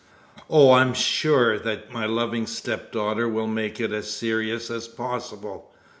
"Oh, I am sure that my loving stepdaughter will make it as serious as possible.